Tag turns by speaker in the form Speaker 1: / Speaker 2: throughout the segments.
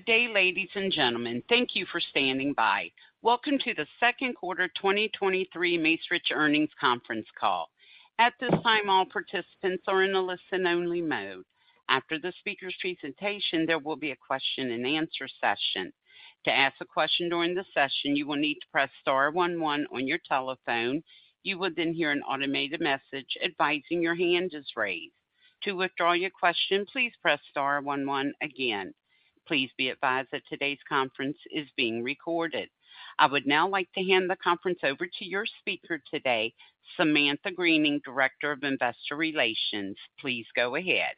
Speaker 1: Good day, ladies and gentlemen. Thank you for standing by. Welcome to the second quarter 2023 Macerich Earnings Conference Call. At this time, all participants are in a listen-only mode. After the speaker's presentation, there will be a question-and-answer session. To ask a question during the session, you will need to press star one one on your telephone. You will then hear an automated message advising your hand is raised. To withdraw your question, please press star one one again. Please be advised that today's conference is being recorded. I would now like to hand the conference over to your speaker today, Samantha Greening, Director of Investor Relations. Please go ahead.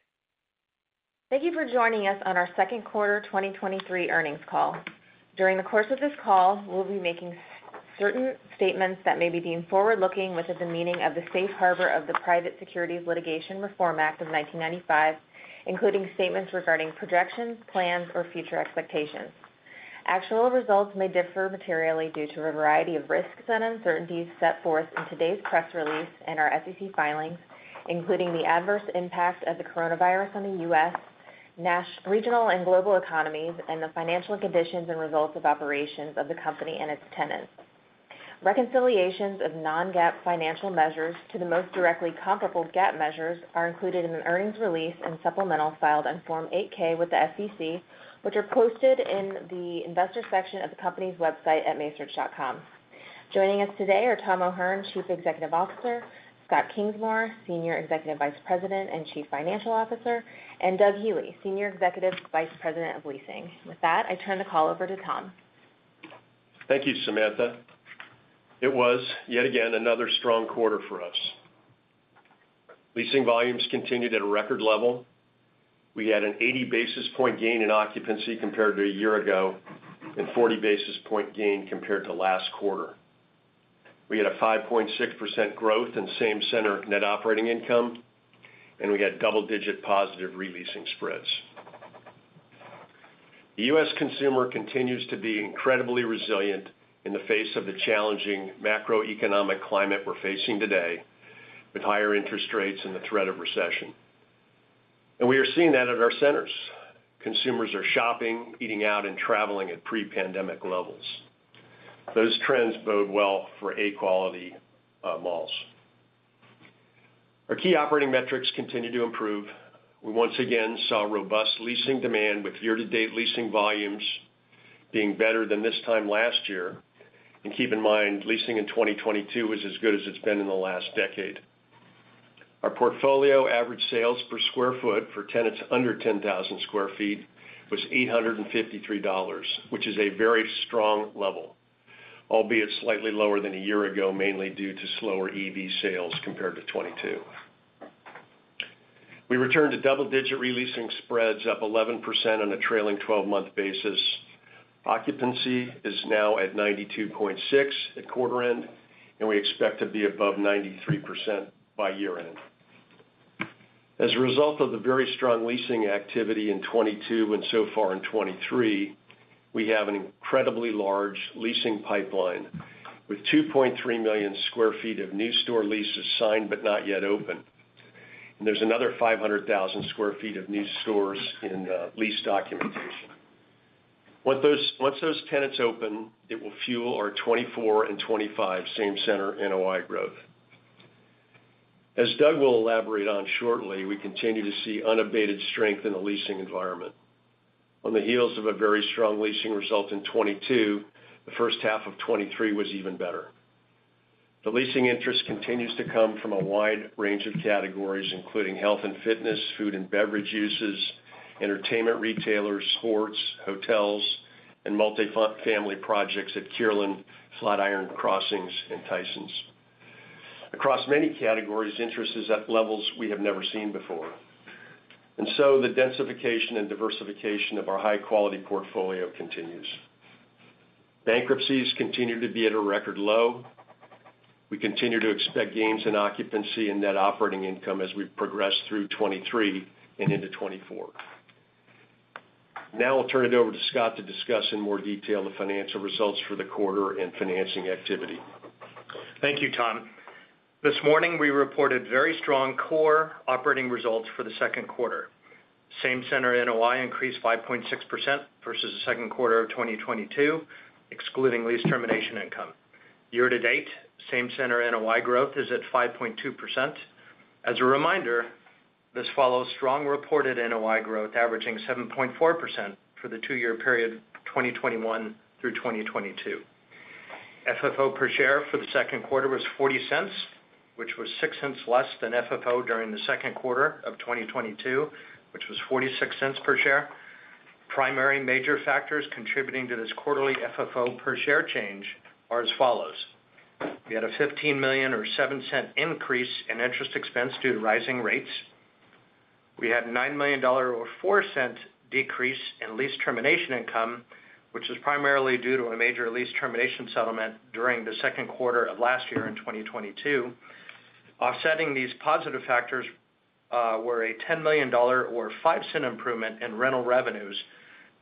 Speaker 2: Thank you for joining us on our second quarter 2023 earnings call. During the course of this call, we'll be making certain statements that may be forward-looking, which is the meaning of the safe harbor of the Private Securities Litigation Reform Act of 1995, including statements regarding projections, plans, or future expectations. Actual results may differ materially due to a variety of risks and uncertainties set forth in today's press release and our SEC filings, including the adverse impact of the coronavirus on the U.S., national, regional and global economies, and the financial conditions and results of operations of the company and its tenants. Reconciliations of non-GAAP financial measures to the most directly comparable GAAP measures are included in the earnings release and supplemental filed on Form 8-K with the SEC, which are posted in the investor section of the company's website at macerich.com. Joining us today are Tom O'Hern, Chief Executive Officer, Scott Kingsmore, Senior Executive Vice President and Chief Financial Officer, and Doug Healey, Senior Executive Vice President of Leasing. With that, I turn the call over to Tom.
Speaker 3: Thank you, Samantha. It was yet again another strong quarter for us. Leasing volumes continued at a record level. We had an 80 basis point gain in occupancy compared to a year ago, and 40 basis point gain compared to last quarter. We had a 5.6% growth in same center Net Operating Income, and we had double-digit positive re-leasing spreads. The U.S. consumer continues to be incredibly resilient in the face of the challenging macroeconomic climate we're facing today, with higher interest rates and the threat of recession, and we are seeing that at our centers. Consumers are shopping, eating out, and traveling at pre-pandemic levels. Those trends bode well for A quality malls. Our key operating metrics continue to improve. We once again saw robust leasing demand, with year-to-date leasing volumes being better than this time last year. Keep in mind, leasing in 2022 is as good as it's been in the last decade. Our portfolio average sales per sq ft for tenants under 10,000 sq ft was $853, which is a very strong level, albeit slightly lower than a year ago, mainly due to slower EV sales compared to 2022. We returned to double-digit re-leasing spreads, up 11% on a trailing 12-month basis. Occupancy is now at 92.6 at quarter end, and we expect to be above 93% by year-end. As a result of the very strong leasing activity in 2022 and so far in 2023, we have an incredibly large leasing pipeline with 2.3 million sq ft of new store leases signed, but not yet open. There's another 500,000 sq ft of new stores in lease documentation. Once those, once those tenants open, it will fuel our 2024 and 2025 same center NOI growth. As Doug will elaborate on shortly, we continue to see unabated strength in the leasing environment. On the heels of a very strong leasing result in 2022, the first half of 2023 was even better. The leasing interest continues to come from a wide range of categories, including health and fitness, food and beverage uses, entertainment retailers, sports, hotels, and multifamily projects at Kierland, Flatiron Crossings, and Tysons. Across many categories, interest is at levels we have never seen before, and so the densification and diversification of our high-quality portfolio continues. Bankruptcies continue to be at a record low. We continue to expect gains in occupancy and Net Operating Income as we progress through 2023 and into 2024. I'll turn it over to Scott to discuss in more detail the financial results for the quarter and financing activity.
Speaker 4: Thank you, Tom. This morning, we reported very strong core operating results for the second quarter. Same center NOI increased 5.6% versus the second quarter of 2022, excluding lease termination income. Year to date, same center NOI growth is at 5.2%. As a reminder, this follows strong reported NOI growth, averaging 7.4% for the two-year period, 2021 through 2022. FFO per share for the second quarter was $0.40, which was $0.06 less than FFO during the second quarter of 2022, which was $0.46 per share. Primary major factors contributing to this quarterly FFO per share change are as follows: We had a $15 million or $0.07 increase in interest expense due to rising rates. We had a $9 million or $0.04 decrease in lease termination income, which is primarily due to a major lease termination settlement during the second quarter of last year in 2022. Offsetting these positive factors were a $10 million or $0.05 improvement in rental revenues,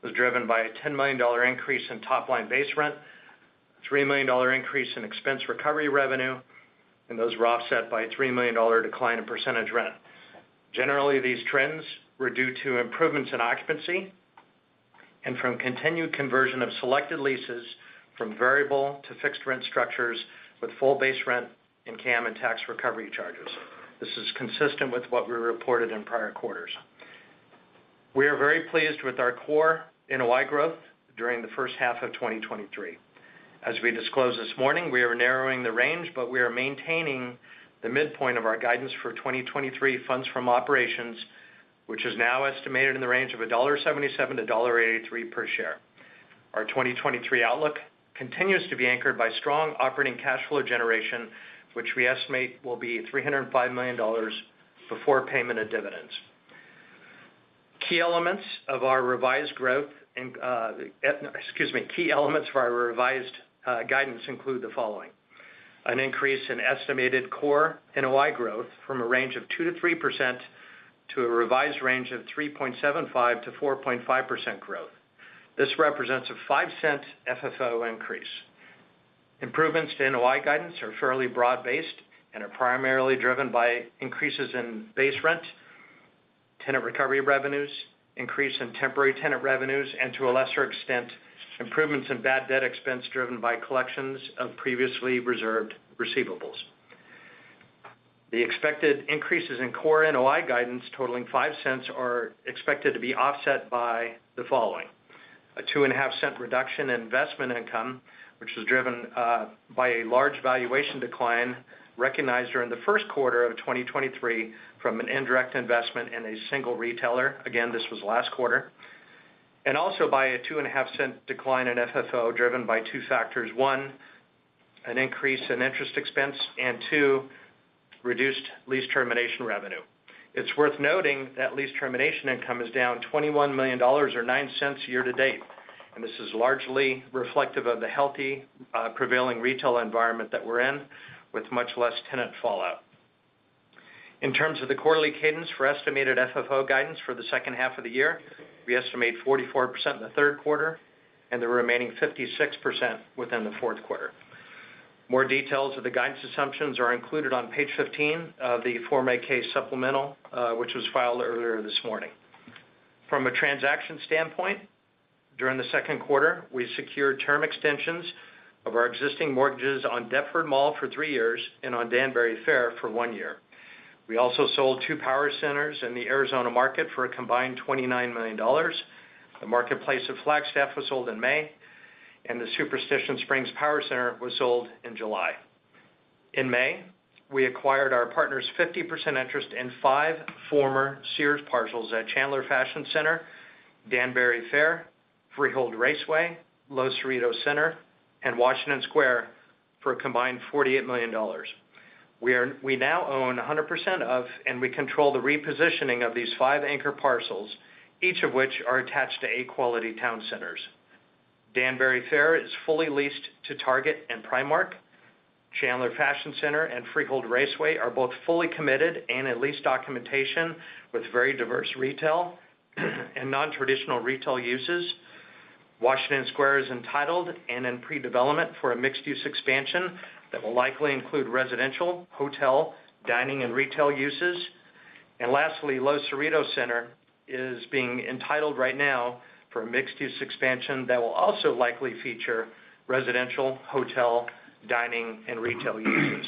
Speaker 4: was driven by a $10 million increase in top-line base rent-...$3 million increase in expense recovery revenue. Those were offset by a $3 million decline in percentage rent. Generally, these trends were due to improvements in occupancy and from continued conversion of selected leases from variable to fixed rent structures with full base rent and CAM and tax recovery charges. This is consistent with what we reported in prior quarters. We are very pleased with our core NOI growth during the first half of 2023. As we disclosed this morning, we are narrowing the range, but we are maintaining the midpoint of our guidance for 2023 funds from operations, which is now estimated in the range of $1.77-$1.83 per share. Our 2023 outlook continues to be anchored by strong operating cash flow generation, which we estimate will be $305 million before payment of dividends. Key elements of our revised growth and, excuse me, key elements of our revised guidance include the following: an increase in estimated core NOI growth from a range of 2%-3% to a revised range of 3.75%-4.5% growth. This represents a 5 cent FFO increase. Improvements to NOI guidance are fairly broad-based and are primarily driven by increases in base rent, tenant recovery revenues, increase in temporary tenant revenues, and, to a lesser extent, improvements in bad debt expense driven by collections of previously reserved receivables. The expected increases in core NOI guidance, totaling $0.05, are expected to be offset by the following: a $0.025 reduction in investment income, which is driven by a large valuation decline recognized during the first quarter of 2023 from an indirect investment in a single retailer. Again, this was last quarter. Also by a $0.025 decline in FFO, driven by two factors. One, an increase in interest expense, and two, reduced lease termination revenue. It's worth noting that lease termination income is down $21 million, or $0.09, year to date. This is largely reflective of the healthy prevailing retail environment that we're in, with much less tenant fallout. In terms of the quarterly cadence for estimated FFO guidance for the second half of the year, we estimate 44% in the third quarter and the remaining 56% within the fourth quarter. More details of the guidance assumptions are included on page 15 of the Form 8-K supplemental, which was filed earlier this morning. From a transaction standpoint, during the second quarter, we secured term extensions of our existing mortgages on Deptford Mall for three years and on Danbury Fair for one year. We also sold two power centers in the Arizona market for a combined $29 million. The Marketplace of Flagstaff was sold in May, and the Superstition Springs Power Center was sold in July. In May, we acquired our partner's 50% interest in 5 former Sears parcels at Chandler Fashion Center, Danbury Fair, Freehold Raceway, Los Cerritos Center, and Washington Square for a combined $48 million. We now own 100% of, and we control the repositioning of, these 5 anchor parcels, each of which are attached to A-quality town centers. Danbury Fair is fully leased to Target and Primark. Chandler Fashion Center and Freehold Raceway are both fully committed and in lease documentation with very diverse retail and non-traditional retail uses. Washington Square is entitled and in pre-development for a mixed-use expansion that will likely include residential, hotel, dining, and retail uses. Lastly, Los Cerritos Center is being entitled right now for a mixed-use expansion that will also likely feature residential, hotel, dining, and retail uses.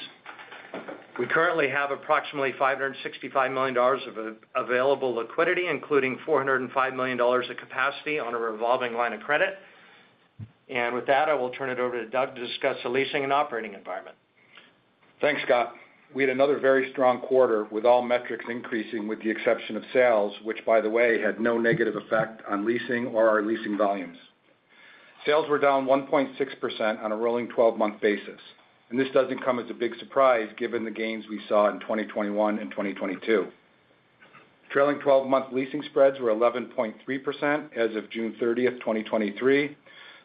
Speaker 4: We currently have approximately $565 million of available liquidity, including $405 million of capacity on a revolving line of credit. With that, I will turn it over to Doug to discuss the leasing and operating environment.
Speaker 5: Thanks, Scott. We had another very strong quarter, with all metrics increasing, with the exception of sales, which, by the way, had no negative effect on leasing or our leasing volumes. Sales were down 1.6% on a rolling 12-month basis. This doesn't come as a big surprise, given the gains we saw in 2021 and 2022. Trailing 12-month leasing spreads were 11.3% as of June 30, 2023.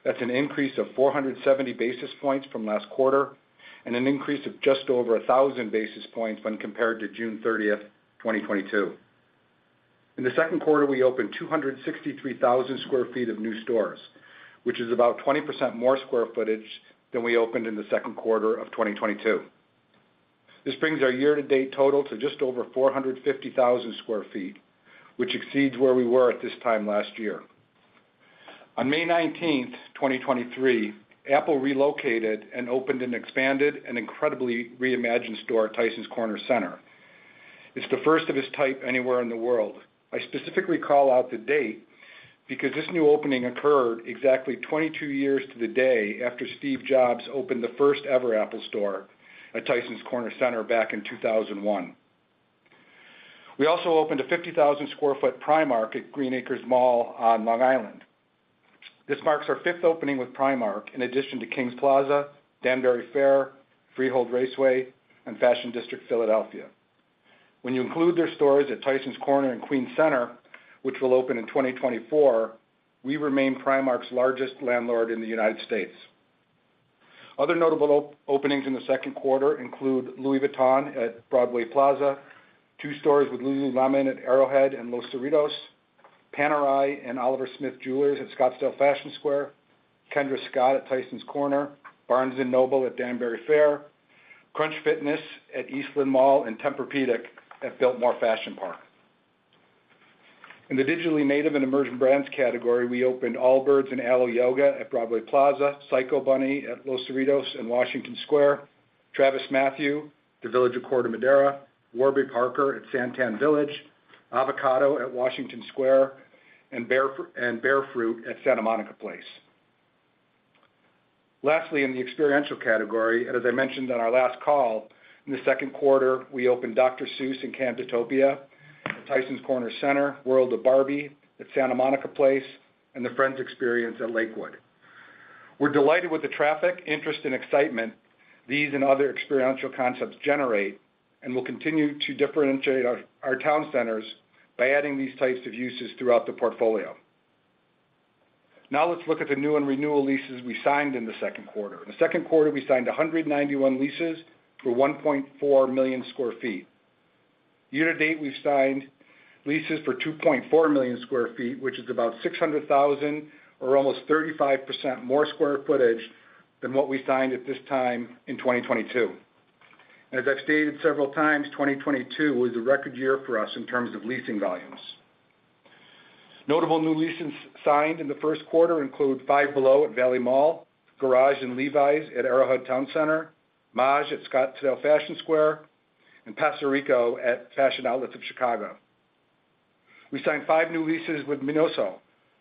Speaker 5: That's an increase of 470 basis points from last quarter and an increase of just over 1,000 basis points when compared to June 30, 2022. In the second quarter, we opened 263,000 sq ft of new stores, which is about 20% more square footage than we opened in the second quarter of 2022. This brings our year-to-date total to just over 450,000 sq ft, which exceeds where we were at this time last year. On May 19th, 2023, Apple relocated and opened an expanded and incredibly reimagined store at Tysons Corner Center. It's the first of its type anywhere in the world. I specifically call out the date because this new opening occurred exactly 22 years to the day after Steve Jobs opened the first-ever Apple store at Tysons Corner Center back in 2001. We also opened a 50,000 sq ft Primark at Green Acres Mall on Long Island. This marks our fifth opening with Primark, in addition to Kings Plaza, Danbury Fair, Freehold Raceway, and Fashion District Philadelphia. When you include their stores at Tysons Corner and Queens Center, which will open in 2024, we remain Primark's largest landlord in the United States. Other notable openings in the second quarter include Louis Vuitton at Broadway Plaza, two stores with Lululemon at Arrowhead and Los Cerritos. Panerai and Oliver Smith Jeweler at Scottsdale Fashion Square, Kendra Scott at Tysons Corner, Barnes & Noble at Danbury Fair, Crunch Fitness at Eastland Mall, and Tempur-Pedic at Biltmore Fashion Park. In the digitally native and emerging brands category, we opened Allbirds and Alo Yoga at Broadway Plaza, Psycho Bunny at Los Cerritos and Washington Square, TravisMathew, The Village of Corte Madera, Warby Parker at SanTan Village, Avocado at Washington Square, and Bearfruit at Santa Monica Place. Lastly, in the experiential category, and as I mentioned on our last call, in the second quarter, we opened Dr. Seuss in Camptopia at Tysons Corner Center, World of Barbie at Santa Monica Place, and The Friends Experience at Lakewood. We're delighted with the traffic, interest, and excitement these and other experiential concepts generate, and we'll continue to differentiate our, our town centers by adding these types of uses throughout the portfolio. Now, let's look at the new and renewal leases we signed in the second quarter. In the second quarter, we signed 191 leases for 1.4 million sq ft. Year to date, we've signed leases for 2.4 million sq ft, which is about 600,000 or almost 35% more square footage than what we signed at this time in 2022. As I've stated several times, 2022 was a record year for us in terms of leasing volumes. Notable new leases signed in the first quarter include Five Below at Valley Mall, Garage and Levi's at Arrowhead Town Center, Maje at Scottsdale Fashion Square, and Paso Rico at Fashion Outlets of Chicago. We signed five new leases with MINISO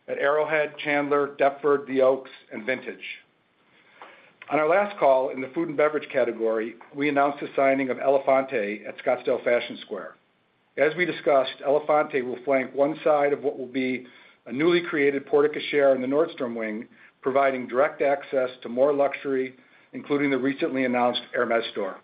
Speaker 5: at Arrowhead, Chandler, Deptford, The Oaks, and Vintage. On our last call, in the food and beverage category, we announced the signing of Élephante at Scottsdale Fashion Square. As we discussed, Élephante will flank one side of what will be a newly created porte cochere in the Nordstrom wing, providing direct access to more luxury, including the recently announced Hermès store.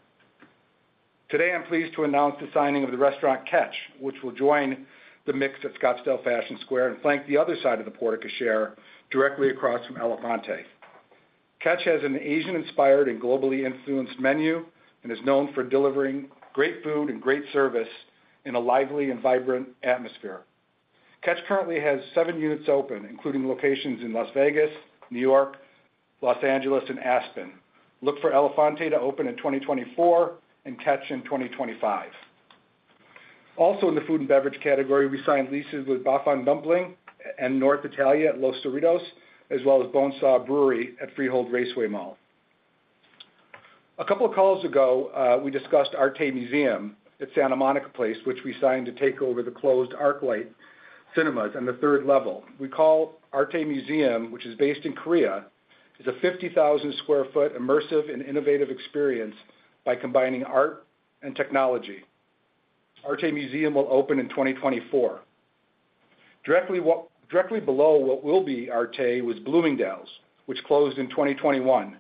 Speaker 5: Today, I'm pleased to announce the signing of the restaurant, Catch, which will join the mix at Scottsdale Fashion Square and flank the other side of the porte cochere, directly across from Élephante. Catch has an Asian-inspired and globally influenced menu and is known for delivering great food and great service in a lively and vibrant atmosphere. Catch currently has 7 units open, including locations in Las Vegas, New York, Los Angeles, and Aspen. Look for Élephante to open in 2024 and Catch in 2025. Also, in the food and beverage category, we signed leases with Bafang Dumpling and North Italia at Los Cerritos, as well as Bonesaw Brewery at Freehold Raceway Mall. A couple of calls ago, we discussed Arte Museum at Santa Monica Place, which we signed to take over the closed ArcLight Cinemas on the third level. Arte Museum, which is based in Korea, is a 50,000 sq ft immersive and innovative experience by combining art and technology. Arte Museum will open in 2024. Directly below what will be Arte was Bloomingdale's, which closed in 2021.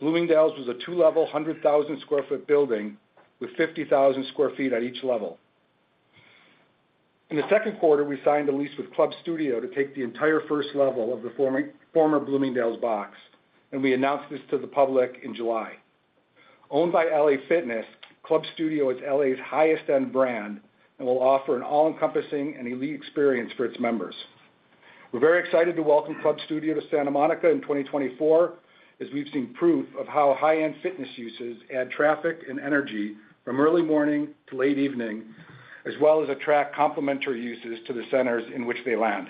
Speaker 5: Bloomingdale's was a 2-level, 100,000 sq ft building with 50,000 sq ft at each level. In the second quarter, we signed a lease with Club Studio to take the entire first level of the former Bloomingdale's box, and we announced this to the public in July. Owned by LA Fitness, Club Studio is LA's highest end brand and will offer an all-encompassing and elite experience for its members. We're very excited to welcome Club Studio to Santa Monica in 2024, as we've seen proof of how high-end fitness uses add traffic and energy from early morning to late evening, as well as attract complementary uses to the centers in which they land.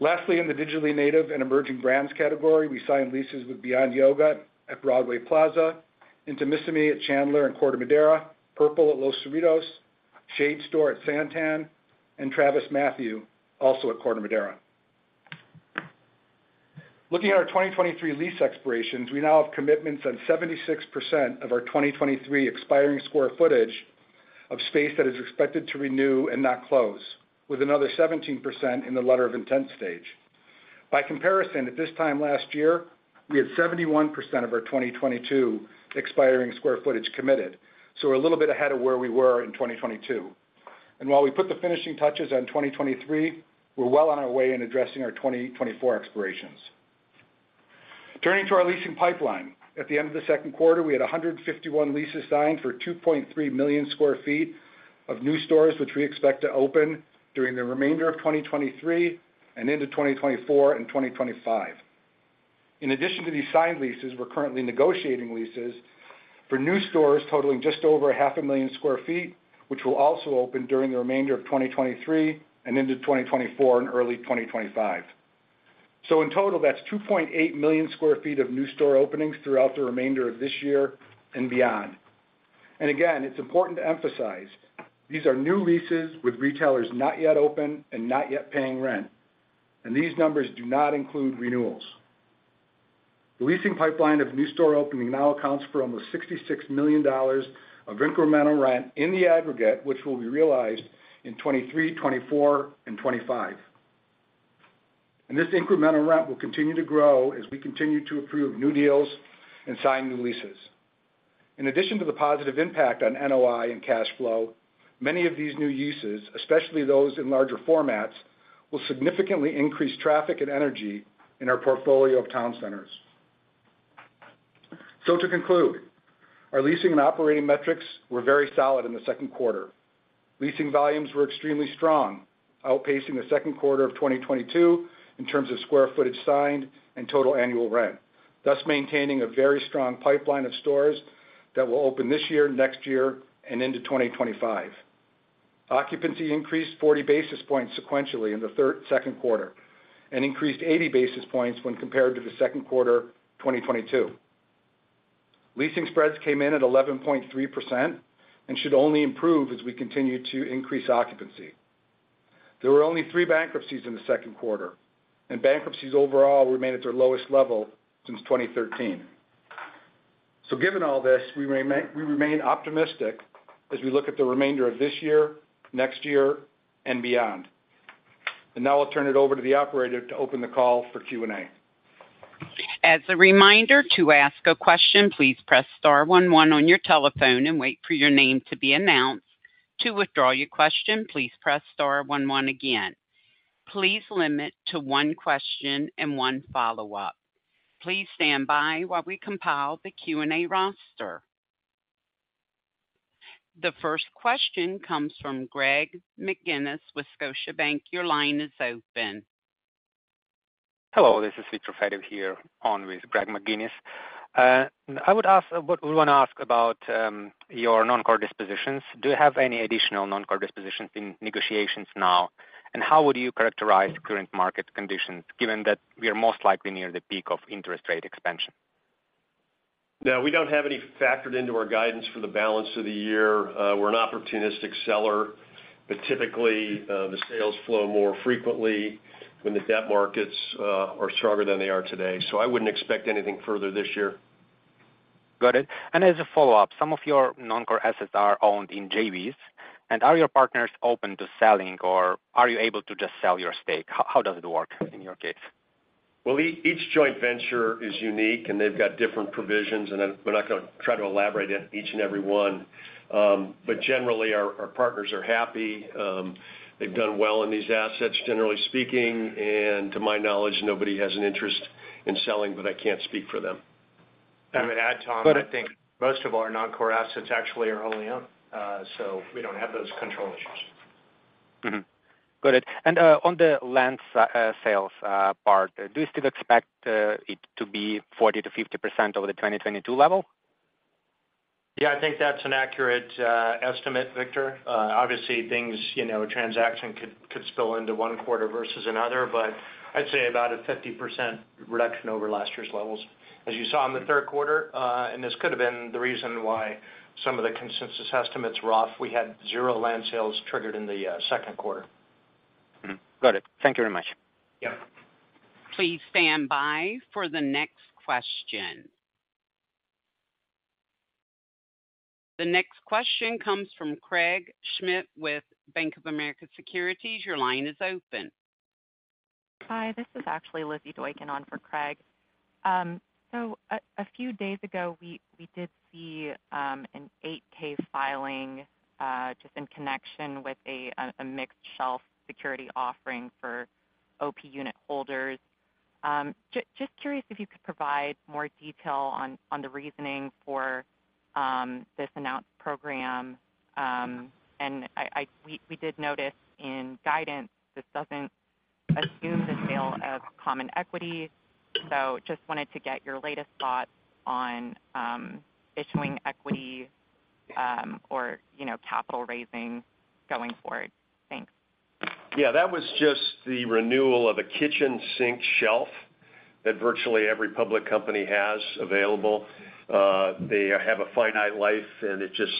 Speaker 5: Lastly, in the digitally native and emerging brands category, we signed leases with Beyond Yoga at Broadway Plaza, Intimissimi at Chandler and Corte Madera, Purple at Los Cerritos, Shade Store at SanTan, and TravisMathew, also at Corte Madera. Looking at our 2023 lease expirations, we now have commitments on 76% of our 2023 expiring square footage of space that is expected to renew and not close, with another 17% in the letter of intent stage. By comparison, at this time last year, we had 71% of our 2022 expiring square footage committed, so we're a little bit ahead of where we were in 2022. While we put the finishing touches on 2023, we're well on our way in addressing our 2024 expirations. Turning to our leasing pipeline. At the end of the second quarter, we had 151 leases signed for 2.3 million sq ft of new stores, which we expect to open during the remainder of 2023 and into 2024 and 2025. In addition to these signed leases, we're currently negotiating leases for new stores totaling just over 500,000 sq ft, which will also open during the remainder of 2023 and into 2024 and early 2025. In total, that's 2.8 million sq ft of new store openings throughout the remainder of this year and beyond. Again, it's important to emphasize, these are new leases with retailers not yet open and not yet paying rent, and these numbers do not include renewals. The leasing pipeline of new store opening now accounts for almost $66 million of incremental rent in the aggregate, which will be realized in 2023, 2024, and 2025. This incremental rent will continue to grow as we continue to approve new deals and sign new leases. In addition to the positive impact on NOI and cash flow, many of these new uses, especially those in larger formats, will significantly increase traffic and energy in our portfolio of town centers. To conclude, our leasing and operating metrics were very solid in the second quarter. Leasing volumes were extremely strong, outpacing the second quarter of 2022 in terms of square footage signed and total annual rent, thus maintaining a very strong pipeline of stores that will open this year, next year, and into 2025. Occupancy increased 40 basis points sequentially in the second quarter, and increased 80 basis points when compared to the second quarter, 2022. Leasing spreads came in at 11.3% and should only improve as we continue to increase occupancy. There were only 3 bankruptcies in the second quarter, and bankruptcies overall remained at their lowest level since 2013. Given all this, we remain, we remain optimistic as we look at the remainder of this year, next year, and beyond. Now I'll turn it over to the operator to open the call for Q&A.
Speaker 1: As a reminder, to ask a question, please press star one, one on your telephone and wait for your name to be announced. To withdraw your question, please press star one, one again. Please limit to one question and one follow-up. Please stand by while we compile the Q&A roster. The first question comes from Greg McGinnis with Scotiabank. Your line is open.
Speaker 6: Hello, this is Viktor Fediv here, on with Greg McGinnis. What we want to ask about your noncore dispositions. Do you have any additional noncore dispositions in negotiations now? How would you characterize current market conditions, given that we are most likely near the peak of interest rate expansion?
Speaker 3: Yeah, we don't have any factored into our guidance for the balance of the year. We're an opportunistic seller, but typically, the sales flow more frequently when the debt markets are stronger than they are today. I wouldn't expect anything further this year.
Speaker 6: Got it. As a follow-up, some of your noncore assets are owned in JVs. Are your partners open to selling, or are you able to just sell your stake? How, how does it work in your case?
Speaker 3: Well, each joint venture is unique, and they've got different provisions, and then we're not going to try to elaborate on each and every one. Generally, our partners are happy. They've done well in these assets, generally speaking, and to my knowledge, nobody has an interest in selling, but I can't speak for them.
Speaker 4: I would add, Tom, I think most of our noncore assets actually are wholly owned, so we don't have those control issues.
Speaker 6: Mm-hmm. Got it. On the land sales part, do you still expect it to be 40%-50% over the 2022 level?
Speaker 4: Yeah, I think that's an accurate estimate, Viktor. Obviously, things, you know, transaction could, could spill into one quarter versus another, but I'd say about a 50% reduction over last year's levels. As you saw in the third quarter, and this could have been the reason why some of the consensus estimates were off, we had 0 land sales triggered in the second quarter.
Speaker 6: Mm-hmm. Got it. Thank you very much.
Speaker 4: Yeah.
Speaker 1: Please stand by for the next question. The next question comes from Craig Schmidt with Bank of America Securities. Your line is open.
Speaker 7: Hi, this is actually Lizzy Doydlo on for Craig. A few days ago, we did see an 8-K filing just in connection with a mixed shelf security offering for OP unit holders. Just curious if you could provide more detail on the reasoning for this announced program. We did notice in guidance this doesn't assume the sale of common equity, so just wanted to get your latest thoughts on issuing equity, or, you know, capital raising going forward. Thanks.
Speaker 3: Yeah, that was just the renewal of a kitchen sink shelf that virtually every public company has available. They have a finite life, and it just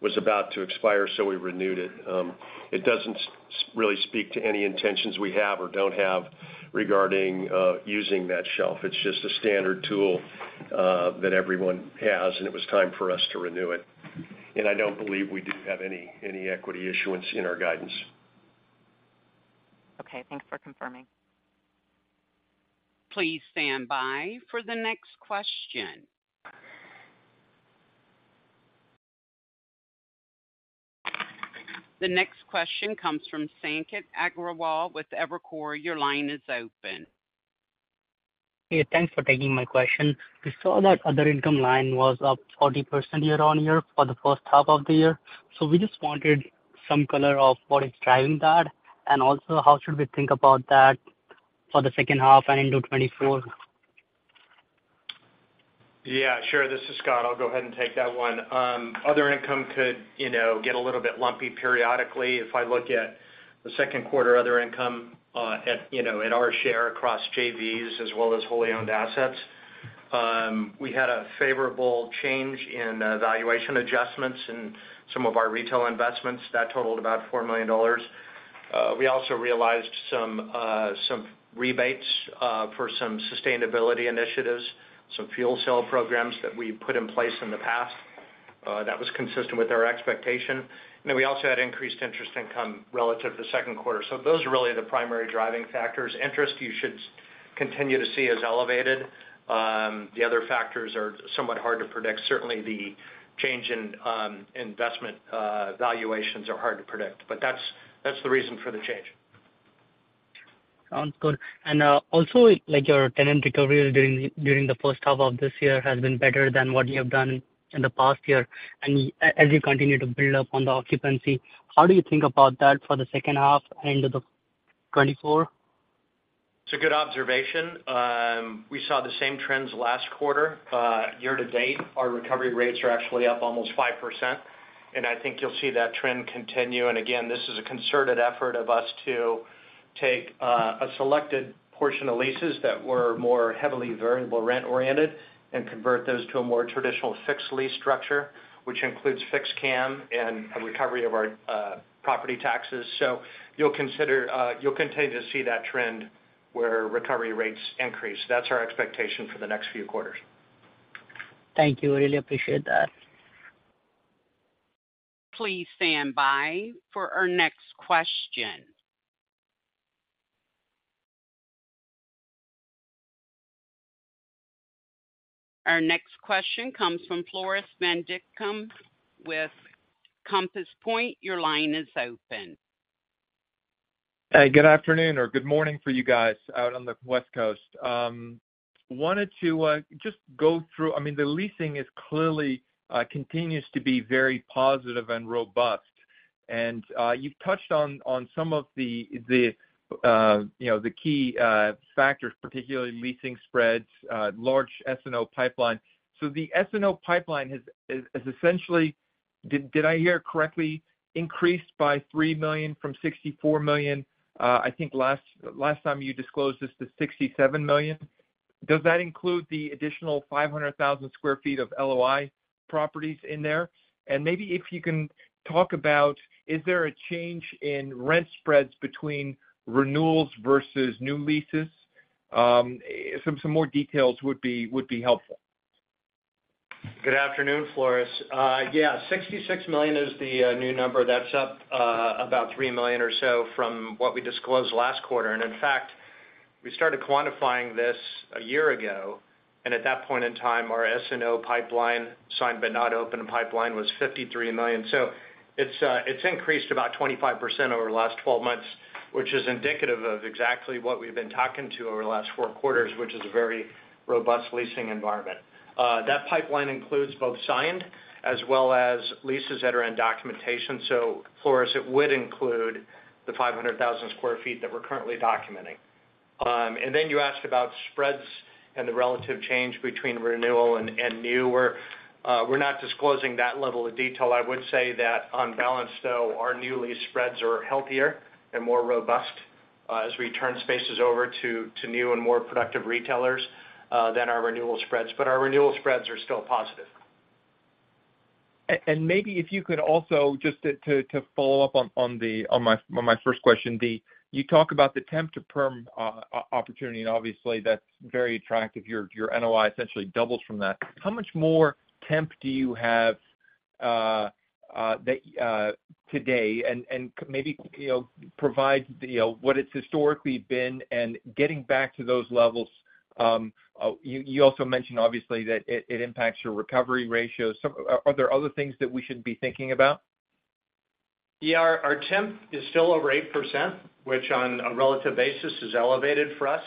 Speaker 3: was about to expire, so we renewed it. It doesn't really speak to any intentions we have or don't have regarding using that shelf. It's just a standard tool that everyone has, and it was time for us to renew it. I don't believe we do have any, any equity issuance in our guidance.
Speaker 7: Okay, thanks for confirming.
Speaker 1: Please stand by for the next question. The next question comes from Sanket Agarwal with Evercore. Your line is open.
Speaker 8: Hey, thanks for taking my question. We saw that other income line was up 40% year-over-year for the first half of the year. We just wanted some color of what is driving that, and also, how should we think about that for the second half and into 2024?
Speaker 4: Yeah, sure. This is Scott. I'll go ahead and take that one. Other income could, you know, get a little bit lumpy periodically. If I look at the second quarter other income, at, you know, in our share across JVs as well as wholly owned assets, we had a favorable change in valuation adjustments in some of our retail investments. That totaled about $4 million. We also realized some rebates for some sustainability initiatives, some fuel cell programs that we put in place in the past. That was consistent with our expectation. We also had increased interest income relative to the second quarter. Those are really the primary driving factors. Interest, you should continue to see as elevated. The other factors are somewhat hard to predict. Certainly, the change in investment valuations are hard to predict, but that's, that's the reason for the change. ...
Speaker 8: Sounds good. Also, like your tenant recovery during, during the first half of this year has been better than what you have done in the past year. As you continue to build up on the occupancy, how do you think about that for the second half into the 2024?
Speaker 4: It's a good observation. We saw the same trends last quarter. Year to date, our recovery rates are actually up almost 5%, and I think you'll see that trend continue. Again, this is a concerted effort of us to take a selected portion of leases that were more heavily variable rent-oriented and convert those to a more traditional fixed lease structure, which includes fixed CAM and a recovery of our property taxes. You'll continue to see that trend where recovery rates increase. That's our expectation for the next few quarters.
Speaker 8: Thank you. I really appreciate that.
Speaker 1: Please stand by for our next question. Our next question comes from Floris Van Dijkum with Compass Point. Your line is open.
Speaker 9: Hey, good afternoon or good morning for you guys out on the West Coast. wanted to just go through I mean, the leasing is clearly continues to be very positive and robust. you've touched on, on some of the, the, you know, the key factors, particularly leasing spreads, large S&O pipeline. the S&O pipeline has essentially, did I hear correctly, increased by $3 million from $64 million? I think last time you disclosed this to $67 million. Does that include the additional 500,000 sq ft of LOI properties in there? maybe if you can talk about, is there a change in rent spreads between renewals versus new leases? some more details would be helpful.
Speaker 4: Good afternoon, Floris. Yeah, $66 million is the new number. That's up about $3 million or so from what we disclosed last quarter. In fact, we started quantifying this a year ago, and at that point in time, our S&O pipeline, signed but not open pipeline, was $53 million. It's increased about 25% over the last 12 months, which is indicative of exactly what we've been talking to over the last 4 quarters, which is a very robust leasing environment. That pipeline includes both signed as well as leases that are in documentation. Floris, it would include the 500,000 sq ft that we're currently documenting. And then you asked about spreads and the relative change between renewal and, and new, we're not disclosing that level of detail. I would say that on balance, though, our new lease spreads are healthier and more robust, as we turn spaces over to, to new and more productive retailers, than our renewal spreads, but our renewal spreads are still positive.
Speaker 9: Maybe if you could also, just to follow up on the, on my first question, the. You talk about the temp to perm opportunity, and obviously, that's very attractive. Your, your NOI essentially doubles from that. How much more temp do you have that today? Maybe, you know, provide, you know, what it's historically been and getting back to those levels. You also mentioned, obviously, that it, it impacts your recovery ratios. Are there other things that we should be thinking about?
Speaker 4: Yeah, our, our temp is still over 8%, which on a relative basis is elevated for us.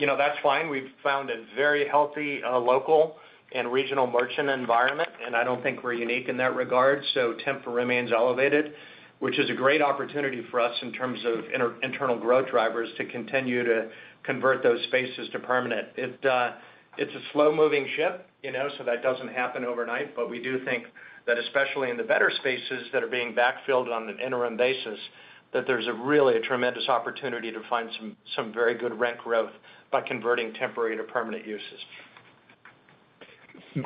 Speaker 4: You know, that's fine. We've found a very healthy, local and regional merchant environment, and I don't think we're unique in that regard. Temp remains elevated, which is a great opportunity for us in terms of internal growth drivers to continue to convert those spaces to permanent. It, it's a slow-moving ship, you know, so that doesn't happen overnight. We do think that, especially in the better spaces that are being backfilled on an interim basis, that there's a really a tremendous opportunity to find some, some very good rent growth by converting temporary to permanent uses.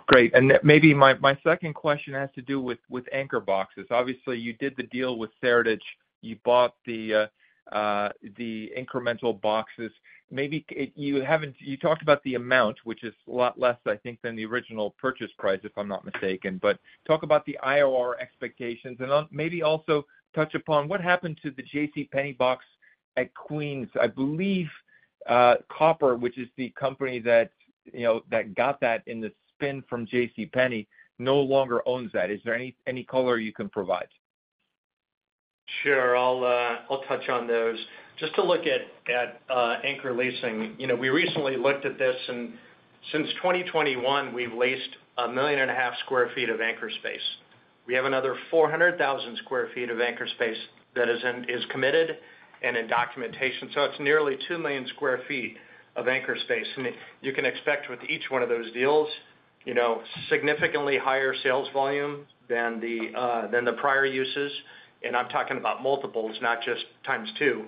Speaker 9: Great. Maybe my, my second question has to do with, with anchor boxes. Obviously, you did the deal with Seritage. You bought the incremental boxes. Maybe you talked about the amount, which is a lot less, I think, than the original purchase price, if I'm not mistaken. Talk about the IRR expectations, and maybe also touch upon what happened to the J.C. Penney box at Queens. I believe, Copper, which is the company that, you know, that got that in the spin from J.C. Penney, no longer owns that. Is there any, any color you can provide?
Speaker 4: Sure, I'll, I'll touch on those. Just to look at, at anchor leasing, you know, we recently looked at this, and since 2021, we've leased 1.5 million sq ft of anchor space. We have another 400,000 sq ft of anchor space that is committed and in documentation. It's nearly 2 million sq ft of anchor space. I mean, you can expect with each one of those deals, you know, significantly higher sales volume than the prior uses, and I'm talking about multiples, not just times two.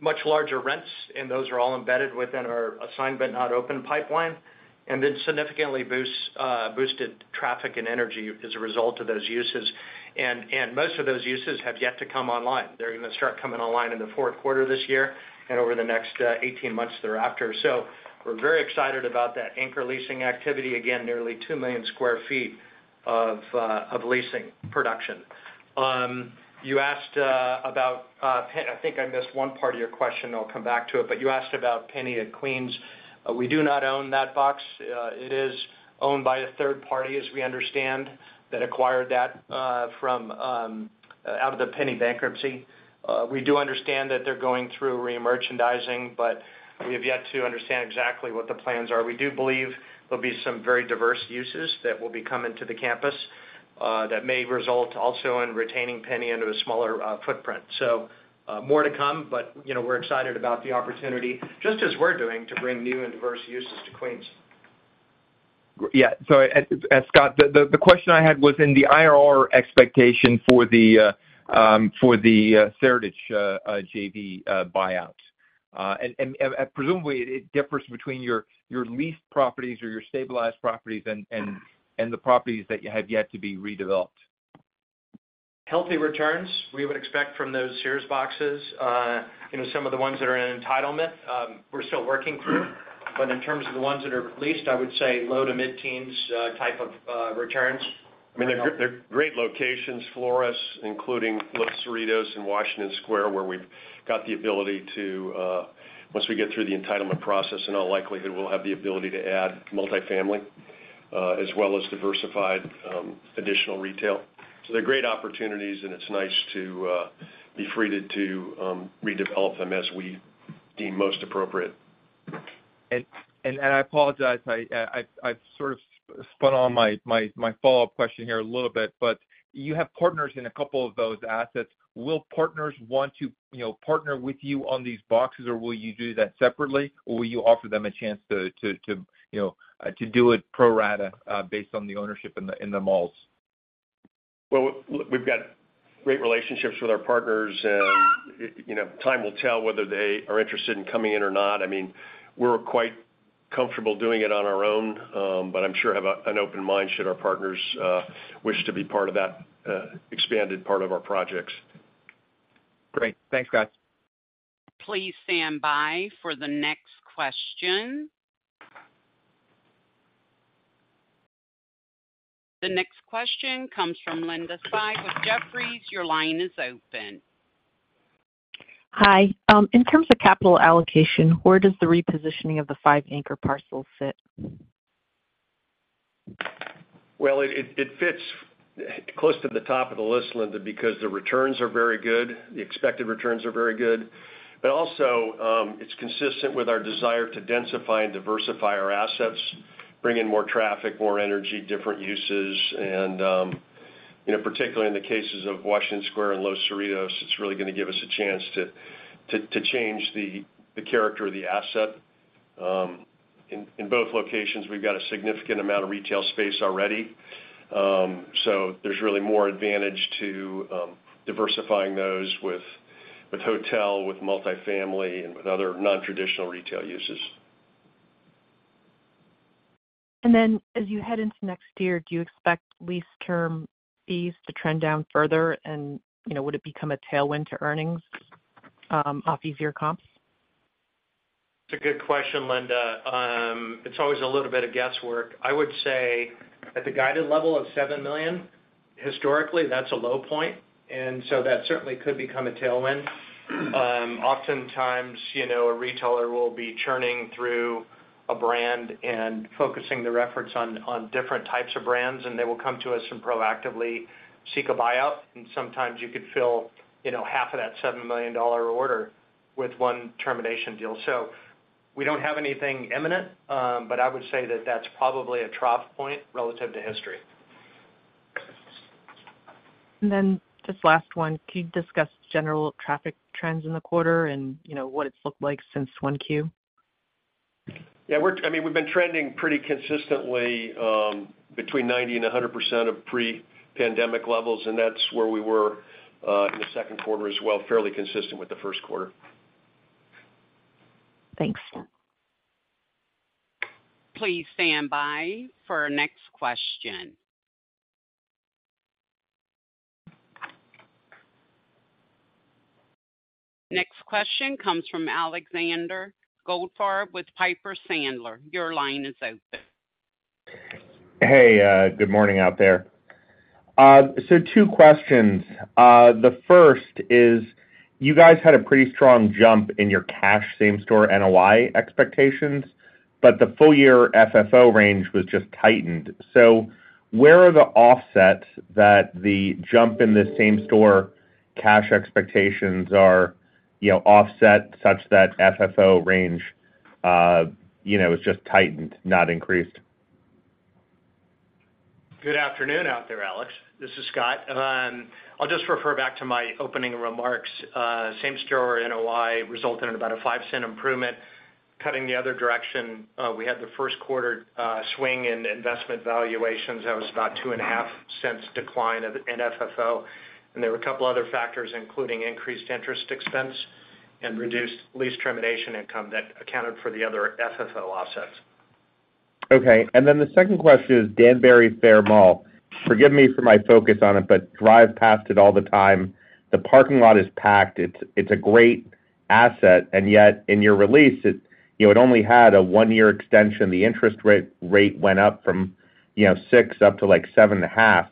Speaker 4: Much larger rents, and those are all embedded within our assigned but not open pipeline, and it significantly boosts boosted traffic and energy as a result of those uses. Most of those uses have yet to come online. They're gonna start coming online in the fourth quarter this year and over the next 18 months thereafter. We're very excited about that anchor leasing activity, again, nearly 2 million sq ft of leasing production. You asked about Pen-- I think I missed 1 part of your question, I'll come back to it, but you asked about Penny at Queens. We do not own that box. It is owned by a third party, as we understand, that acquired that from out of the Penny bankruptcy. We do understand that they're going through re-merchandising, but we have yet to understand exactly what the plans are. We do believe there'll be some very diverse uses that will be coming to the campus that may result also in retaining Penny into a smaller footprint. More to come, but, you know, we're excited about the opportunity, just as we're doing, to bring new and diverse uses to Queens.
Speaker 9: Yeah. Scott, the question I had was in the IRR expectation for the Seritage JV buyout. Presumably, it differs between your leased properties or your stabilized properties and the properties that you have yet to be redeveloped.
Speaker 4: Healthy returns we would expect from those Sears boxes. You know, some of the ones that are in entitlement, we're still working through. In terms of the ones that are leased, I would say low to mid-teens, type of returns.
Speaker 3: I mean, they're great locations for us, including Los Cerritos and Washington Square, where we've got the ability to, once we get through the entitlement process, in all likelihood, we'll have the ability to add multifamily, as well as diversified, additional retail. They're great opportunities, and it's nice to be free to redevelop them as we deem most appropriate.
Speaker 9: I apologize, I've sort of spun on my follow-up question here a little bit, but you have partners in a couple of those assets. Will partners want to, you know, partner with you on these boxes, or will you do that separately, or will you offer them a chance to, you know, to do it pro rata, based on the ownership in the malls?
Speaker 3: Well, we've got great relationships with our partners, you know, time will tell whether they are interested in coming in or not. I mean, we're quite comfortable doing it on our own, but I'm sure have an open mind should our partners wish to be part of that expanded part of our projects.
Speaker 9: Great. Thanks, guys.
Speaker 1: Please stand by for the next question. The next question comes from Linda Tsai with Jefferies. Your line is open.
Speaker 10: Hi. In terms of capital allocation, where does the repositioning of the 5 anchor parcels sit?
Speaker 3: Well, it fits close to the top of the list, Linda, because the returns are very good, the expected returns are very good. Also, it's consistent with our desire to densify and diversify our assets, bring in more traffic, more energy, different uses, you know, particularly in the cases of Washington Square and Los Cerritos, it's really gonna give us a chance to change the character of the asset. In both locations, we've got a significant amount of retail space already, there's really more advantage to, diversifying those with hotel, with multifamily, and with other non-traditional retail uses.
Speaker 10: Then as you head into next year, do you expect lease term fees to trend down further? You know, would it become a tailwind to earnings, off easier comps?
Speaker 4: It's a good question, Linda. It's always a little bit of guesswork. I would say at the guided level of $7 million, historically, that's a low point, and so that certainly could become a tailwind. Oftentimes, you know, a retailer will be churning through a brand and focusing their efforts on, on different types of brands, and they will come to us and proactively seek a buyout. Sometimes you could fill, you know, half of that $7 million order with one termination deal. We don't have anything imminent, but I would say that that's probably a trough point relative to history.
Speaker 10: Just last one. Can you discuss general traffic trends in the quarter and, you know, what it's looked like since one Q?
Speaker 3: Yeah, I mean, we've been trending pretty consistently, between 90% and 100% of pre-pandemic levels. That's where we were in the second quarter as well, fairly consistent with the first quarter.
Speaker 10: Thanks.
Speaker 1: Please stand by for our next question. Next question comes from Alexander Goldfarb with Piper Sandler. Your line is open.
Speaker 11: Hey, good morning out there. 2 questions. The first is, you guys had a pretty strong jump in your cash same store NOI expectations, but the full year FFO range was just tightened. Where are the offsets that the jump in the same store cash expectations are, you know, offset such that FFO range, you know, is just tightened, not increased?
Speaker 4: Good afternoon out there, Alex. This is Scott. I'll just refer back to my opening remarks. Same store NOI resulted in about a $0.05 improvement. Cutting the other direction, we had the first quarter swing in investment valuations. That was about a $0.025 decline in FFO. There were a couple other factors, including increased interest expense and reduced lease termination income, that accounted for the other FFO offsets.
Speaker 11: Okay, the second question is Danbury Fair Mall. Forgive me for my focus on it, but drive past it all the time. The parking lot is packed. It's a great asset, and yet in your release, it, you know, it only had a 1-year extension. The interest rate went up from, you know, 6% up to, like, 7.5%.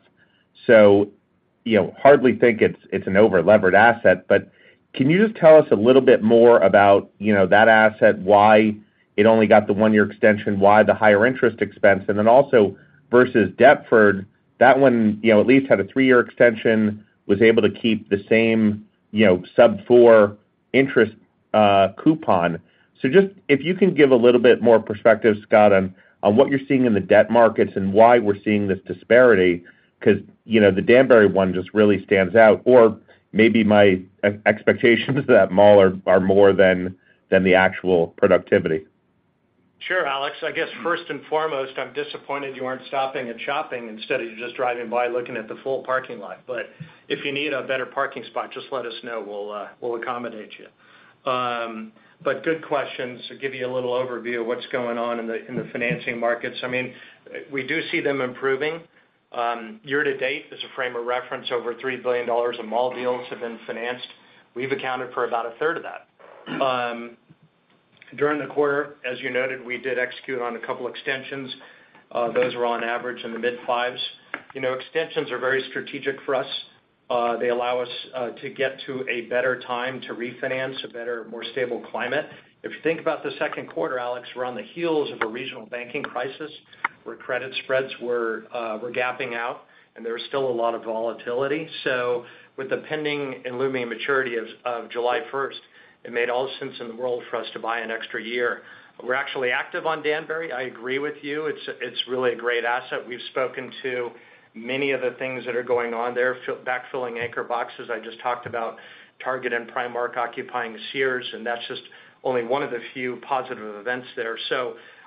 Speaker 11: Hardly think it's an over-levered asset, but can you just tell us a little bit more about, you know, that asset, why it only got the 1-year extension, why the higher interest expense? Also versus Deptford, that one, you know, at least had a 3-year extension, was able to keep the same, you know, sub-4% interest coupon. Just if you can give a little bit more perspective, Scott, on what you're seeing in the debt markets and why we're seeing this disparity, 'cause, you know, the Danbury Fair one just really stands out. Maybe my expectations of that mall are, are more than, than the actual productivity.
Speaker 4: Sure, Alex. I guess first and foremost, I'm disappointed you aren't stopping and shopping. Instead, you're just driving by, looking at the full parking lot. If you need a better parking spot, just let us know, we'll accommodate you. Good question. Give you a little overview of what's going on in the financing markets. I mean, we do see them improving. Year to date, as a frame of reference, over $3 billion of mall deals have been financed. We've accounted for about a third of that. During the quarter, as you noted, we did execute on two extensions. Those were on average in the mid-fives. You know, extensions are very strategic for us. They allow us to get to a better time to refinance, a better, more stable climate. If you think about the second quarter, Alex, we're on the heels of a regional banking crisis, where credit spreads were gapping out, and there was still a lot of volatility. With the pending and looming maturity of July 1st, it made all the sense in the world for us to buy an extra year. We're actually active on Danbury. I agree with you, it's, it's really a great asset. We've spoken to many of the things that are going on there, backfilling anchor boxes. I just talked about Target and Primark occupying Sears, and that's just only one of the few positive events there.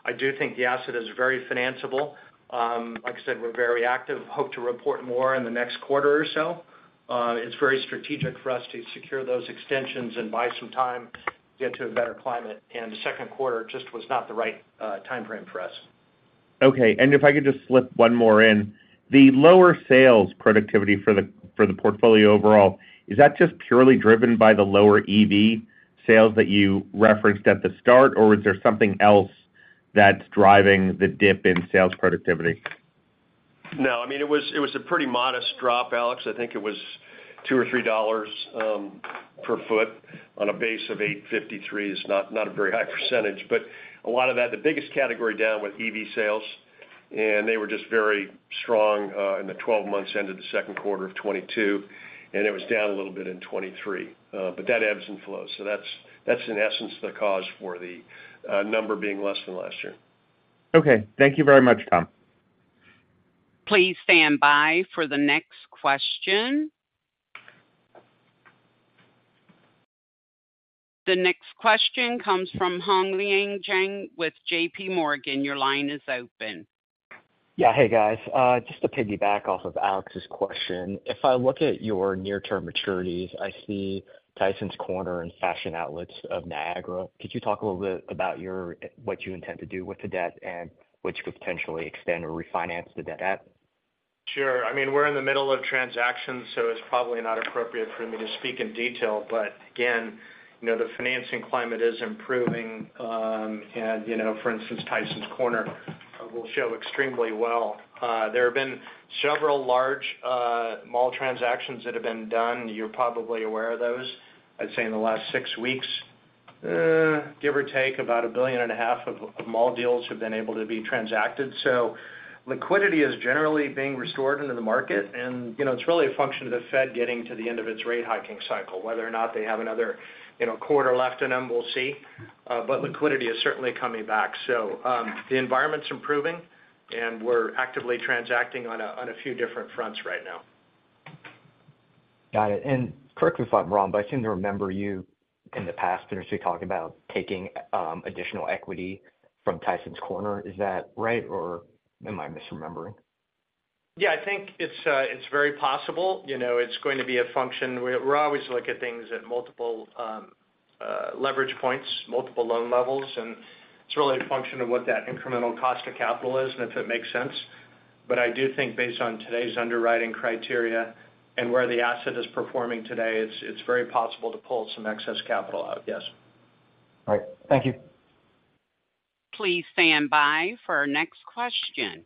Speaker 4: I do think the asset is very financeable. Like I said, we're very active. Hope to report more in the next quarter or so. It's very strategic for us to secure those extensions and buy some time to get to a better climate, and the second quarter just was not the right time frame for us.
Speaker 11: Okay. If I could just slip one more in. The lower sales productivity for the, for the portfolio overall, is that just purely driven by the lower EV sales that you referenced at the start, or is there something else that's driving the dip in sales productivity?
Speaker 4: No, I mean, it was, it was a pretty modest drop, Alex. I think it was $2 or $3 per foot on a base of 853. It's not, not a very high percentage, but a lot of that, the biggest category down was EV sales, and they were just very strong in the 12 months ended the second quarter of 2022, and it was down a little bit in 2023. That ebbs and flows, so that's, that's, in essence, the cause for the number being less than last year.
Speaker 11: Okay, thank you very much, Tom.
Speaker 1: Please stand by for the next question. The next question comes from Hongliang Zhang with JP Morgan. Your line is open.
Speaker 12: Yeah. Hey, guys. Just to piggyback off of Alex's question. If I look at your near-term maturities, I see Tysons Corner and Fashion Outlets of Niagara. Could you talk a little bit about your, what you intend to do with the debt, and which you could potentially extend or refinance the debt at?
Speaker 4: Sure. I mean, we're in the middle of transactions, so it's probably not appropriate for me to speak in detail. Again, you know, the financing climate is improving, and, you know, for instance, Tysons Corner will show extremely well. There have been several large mall transactions that have been done. You're probably aware of those. I'd say in the last 6 weeks, give or take, about $1.5 billion of, of mall deals have been able to be transacted. Liquidity is generally being restored into the market, and, you know, it's really a function of the Fed getting to the end of its rate hiking cycle. Whether or not they have another, you know, quarter left in them, we'll see. Liquidity is certainly coming back. The environment's improving, and we're actively transacting on a few different fronts right now.
Speaker 12: Got it. Correct me if I'm wrong, but I seem to remember you, in the past, interestingly, talking about taking additional equity from Tysons Corner. Is that right, or am I misremembering?
Speaker 4: Yeah, I think it's, it's very possible. You know, it's going to be a function... We're always looking at things at multiple, leverage points, multiple loan levels, and it's really a function of what that incremental cost of capital is and if it makes sense. I do think based on today's underwriting criteria and where the asset is performing today, it's, it's very possible to pull some excess capital out, yes.
Speaker 12: All right. Thank you.
Speaker 1: Please stand by for our next question.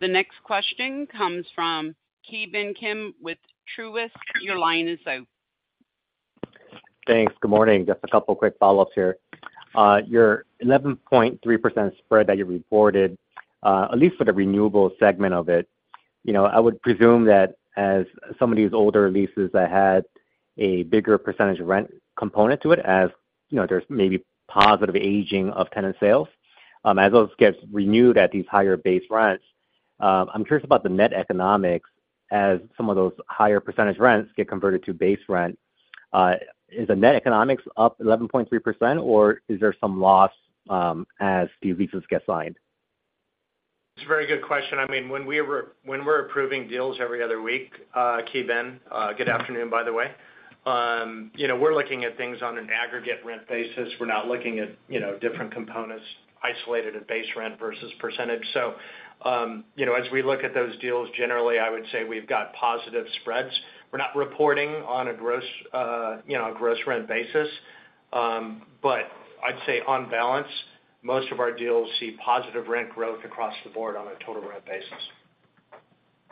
Speaker 1: The next question comes from Ki Bin Kim with Truist. Your line is open.
Speaker 13: Thanks. Good morning. Just a couple quick follow-ups here. Your 11.3% spread that you reported, at least for the renewable segment of it, you know, I would presume that as some of these older leases that had a bigger percentage of rent component to it, as, you know, there's maybe positive aging of tenant sales, as those gets renewed at these higher base rents, I'm curious about the net economics as some of those higher percentage rents get converted to base rent. Is the net economics up 11.3%, or is there some loss, as these leases get signed?
Speaker 4: It's a very good question. I mean, when we're approving deals every other week, Ki Bin, good afternoon, by the way... you know, we're looking at things on an aggregate rent basis. We're not looking at, you know, different components isolated at base rent versus percentage. you know, as we look at those deals, generally, I would say we've got positive spreads. We're not reporting on a gross, you know, a gross rent basis, but I'd say on balance, most of our deals see positive rent growth across the board on a total rent basis.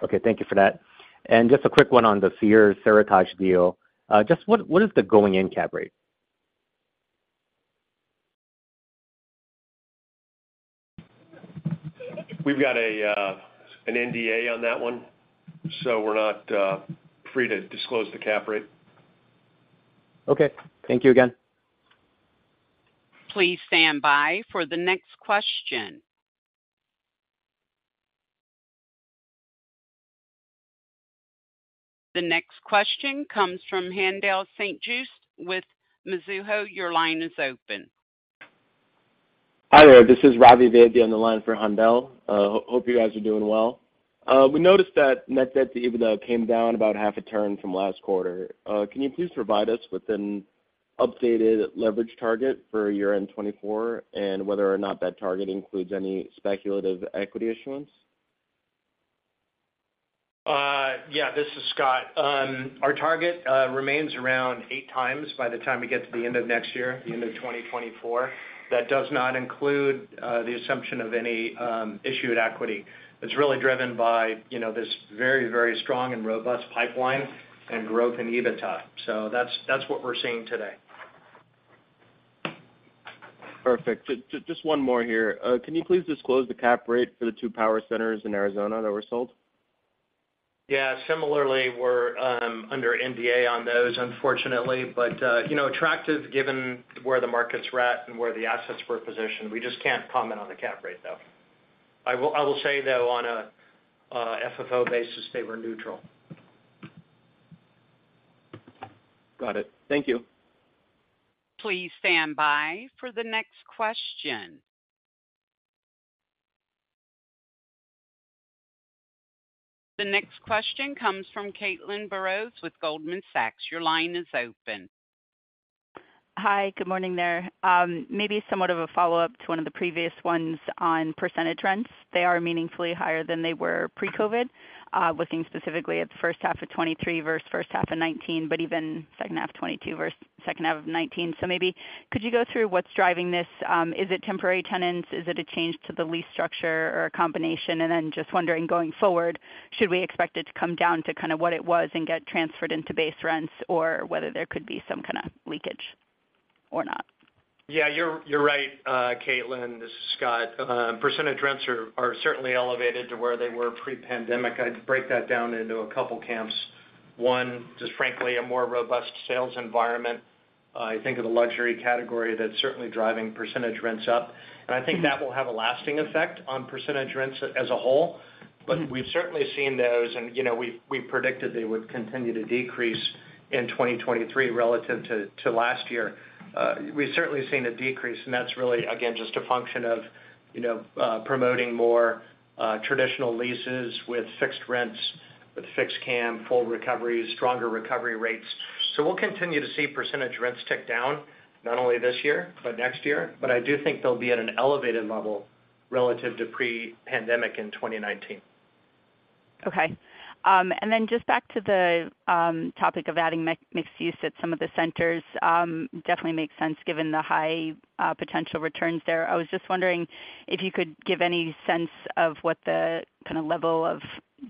Speaker 13: Okay, thank you for that. Just a quick one on the Sears Seritage deal. Just what, what is the going-in cap rate?
Speaker 3: We've got a, an NDA on that one, so we're not free to disclose the cap rate.
Speaker 13: Okay. Thank you again.
Speaker 1: Please stand by for the next question. The next question comes from Haendel St-Juste with Mizuho. Your line is open.
Speaker 14: Hi there, this is Ravi Vaidya on the line for Handal. Hope you guys are doing well. We noticed that net debt to EBITDA came down about half a turn from last quarter. Can you please provide us with an updated leverage target for year-end 2024 and whether or not that target includes any speculative equity issuance?
Speaker 4: Yeah, this is Scott. Our target remains around 8 times by the time we get to the end of next year, the end of 2024. That does not include the assumption of any issued equity. It's really driven by, you know, this very, very strong and robust pipeline and growth in EBITDA. That's, that's what we're seeing today.
Speaker 14: Perfect. Just one more here. Can you please disclose the cap rate for the 2 power centers in Arizona that were sold?
Speaker 4: Yeah. Similarly, we're under NDA on those, unfortunately, but, you know, attractive given where the markets were at and where the assets were positioned. We just can't comment on the cap rate, though. I will, I will say, though, on a FFO basis, they were neutral.
Speaker 14: Got it. Thank you.
Speaker 1: Please stand by for the next question. The next question comes from Caitlin Burrows with Goldman Sachs. Your line is open.
Speaker 15: Hi, good morning there. Maybe somewhat of a follow-up to one of the previous ones on percentage rents. They are meaningfully higher than they were pre-COVID, looking specifically at the first half of 2023 versus first half of 2019, but even second half 2022 versus second half of 2019. Maybe could you go through what's driving this? Is it temporary tenants? Is it a change to the lease structure or a combination? Just wondering, going forward, should we expect it to come down to kind of what it was and get transferred into base rents, or whether there could be some kind of leakage or not?
Speaker 4: Yeah, you're, you're right, Caitlin. This is Scott. Percentage rents are, are certainly elevated to where they were pre-pandemic. I'd break that down into a couple camps. One, just frankly, a more robust sales environment, I think of the luxury category that's certainly driving percentage rents up, and I think that will have a lasting effect on percentage rents as a whole. We've certainly seen those, and, you know, we've, we've predicted they would continue to decrease in 2023 relative to, to last year. We've certainly seen a decrease, and that's really, again, just a function of, you know, promoting more traditional leases with fixed rents, with fixed CAM, full recoveries, stronger recovery rates. We'll continue to see percentage rents tick down, not only this year, but next year, but I do think they'll be at an elevated level relative to pre-pandemic in 2019.
Speaker 15: Okay. Just back to the topic of adding mixed use at some of the centers, definitely makes sense given the high potential returns there. I was just wondering if you could give any sense of what the kind of level of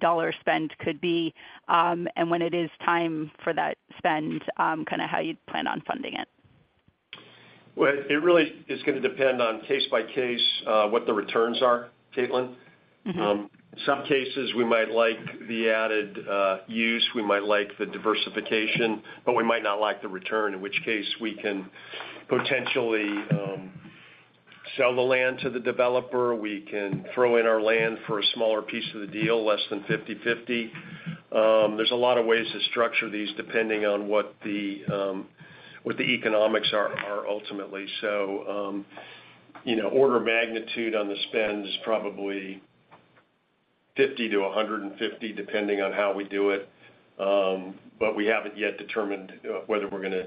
Speaker 15: dollar spend could be, when it is time for that spend, kind of how you'd plan on funding it.
Speaker 3: Well, it really is gonna depend on case by case, what the returns are, Caitlin.
Speaker 15: Mm-hmm.
Speaker 3: Some cases we might like the added use, we might like the diversification, but we might not like the return, in which case we can potentially sell the land to the developer. We can throw in our land for a smaller piece of the deal, less than 50/50. There's a lot of ways to structure these depending on what the economics are, are ultimately. You know, order of magnitude on the spend is probably $50-$150, depending on how we do it. We haven't yet determined whether we're gonna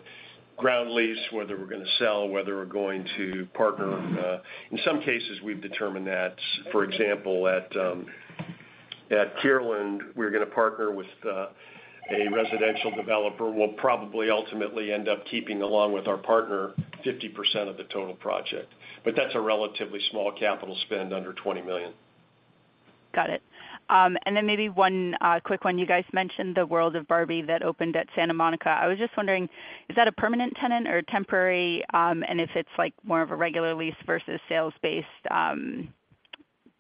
Speaker 3: ground lease, whether we're gonna sell, whether we're going to partner. In some cases, we've determined that, for example, at, at Kierland, we're gonna partner with, a residential developer, we'll probably ultimately end up keeping, along with our partner, 50% of the total project. That's a relatively small capital spend, under $20 million.
Speaker 15: Got it. Then maybe one quick one. You guys mentioned the World of Barbie that opened at Santa Monica. I was just wondering, is that a permanent tenant or temporary? If it's, like, more of a regular lease versus sales-based,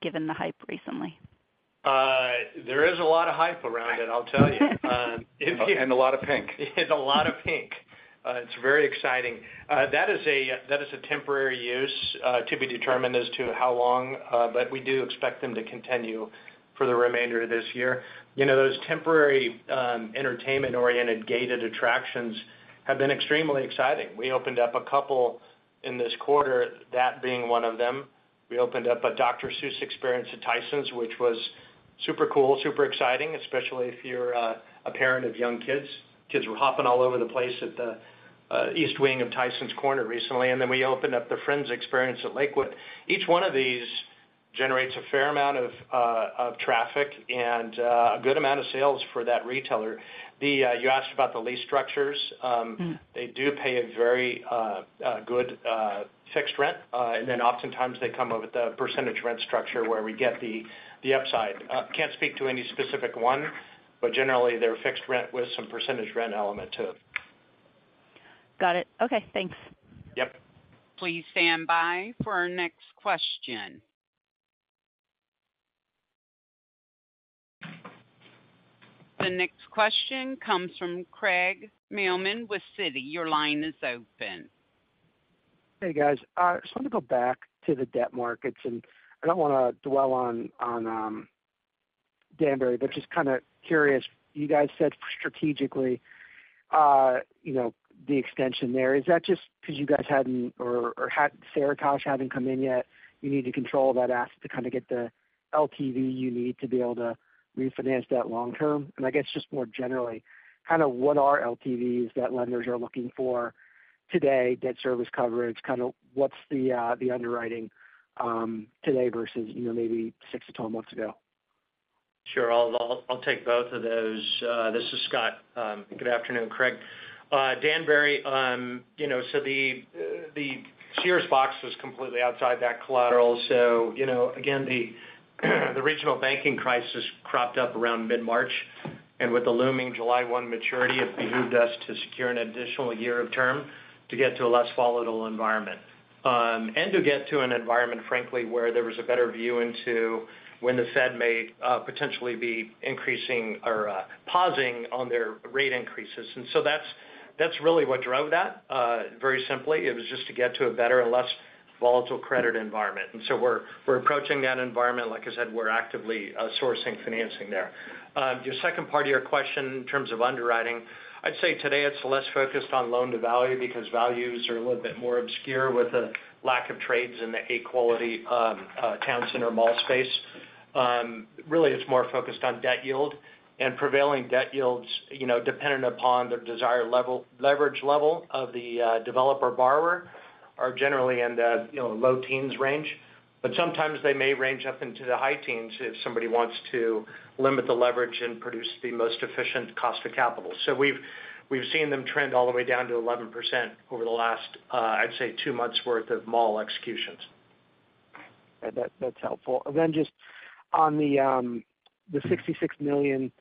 Speaker 15: given the hype recently.
Speaker 4: There is a lot of hype around it, I'll tell you.
Speaker 3: A lot of pink.
Speaker 4: It's a lot of pink. It's very exciting. That is a, that is a temporary use to be determined as to how long, we do expect them to continue for the remainder of this year. You know, those temporary entertainment-oriented gated attractions have been extremely exciting. We opened up a couple in this quarter, that being one of them. We opened up a Dr. Seuss Experience at Tysons, which was super cool, super exciting, especially if you're a parent of young kids. Kids were hopping all over the place at the east wing of Tysons Corner recently, we opened up the Friends Experience at Lakewood. Each one of these generates a fair amount of traffic and a good amount of sales for that retailer. The, you asked about the lease structures. They do pay a very good fixed rent, and then oftentimes they come up with a percentage rent structure where we get the upside. Can't speak to any specific one, but generally, they're fixed rent with some percentage rent element, too.
Speaker 14: Got it. Okay, thanks.
Speaker 4: Yep.
Speaker 1: Please stand by for our next question. The next question comes from Craig Mailman with Citi. Your line is open. Hey, guys, just want to go back to the debt markets, and I don't want to dwell on Danbury, but just kind of curious. You guys said strategically, you know, the extension there, is that just 'cause you guys hadn't or Seritage hadn't come in yet, you need to control that asset to kind of get the LTV you need to be able to refinance that long term? I guess just more generally, kind of what are LTVs that lenders are looking for today, debt service coverage, kind of what's the underwriting today versus, you know, maybe 6-12 months ago?
Speaker 4: Sure. I'll take both of those. This is Scott. Good afternoon, Craig. Danbury, you know, the Sears box was completely outside that collateral. You know, again, the regional banking crisis cropped up around mid-March, and with the looming July 1 maturity, it behooved us to secure an additional year of term to get to a less volatile environment. To get to an environment, frankly, where there was a better view into when the Fed may, potentially be increasing or, pausing on their rate increases. That's, that's really what drove that. Very simply, it was just to get to a better and less volatile credit environment. We're approaching that environment. Like I said, we're actively, sourcing financing there. Your second part of your question, in terms of underwriting, I'd say today it's less focused on loan-to-value because values are a little bit more obscure with the lack of trades in the A quality, town center mall space. Really, it's more focused on debt yield, and prevailing debt yields, you know, dependent upon the desired leverage level of the developer borrower, are generally in the, you know, low teens range, but sometimes they may range up into the high teens if somebody wants to limit the leverage and produce the most efficient cost of capital. We've, we've seen them trend all the way down to 11% over the last, I'd say, 2 months worth of mall executions.
Speaker 16: That, that's helpful. Then just on the, the $66 million,